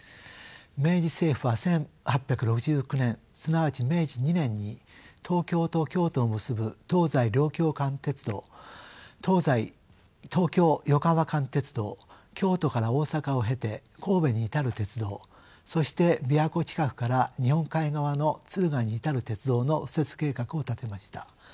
明治政府は１８６９年すなわち明治２年に東京と京都を結ぶ東西両京間鉄道東京横浜間鉄道京都から大阪を経て神戸に至る鉄道そして琵琶湖近くから日本海側の敦賀に至る鉄道の敷設計画を立てました。